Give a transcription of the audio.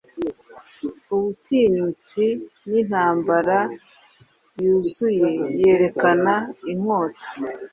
Ubutinyutsi nintambara-yuzuyeyerekana inkota